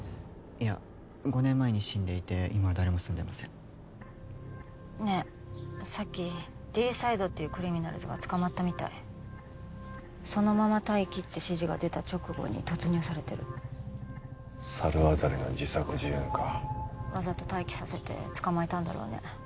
いや５年前に死んでいて今は誰も住んでませんねえさっきＤサイドっていうクリミナルズが捕まったみたいそのまま待機って指示が出た直後に突入されてる猿渡の自作自演かわざと待機させて捕まえたんだろうね